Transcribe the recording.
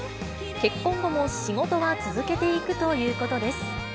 結婚後も仕事は続けていくということです。